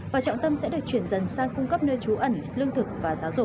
và trọng tâm sẽ được chuyển dần sang cung cấp nơi trú ẩn lương thực và giáo dục